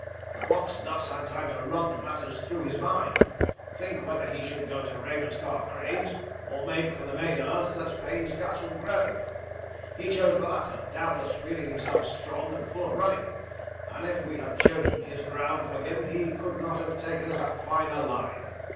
The fox thus had time to run matters through his mind think whether he should go to Ravenscar Craigs, or make for the main earths at Painscastle Grove. He chose the latter, doubtless feeling himself strong and full of running; and if we had chosen his ground for him he could not have taken us a finer line.